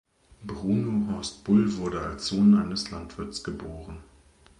Bruno Horst Bull wurde als Sohn eines Landwirts geboren.